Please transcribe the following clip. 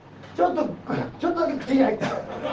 ちょっとだけ口に入った。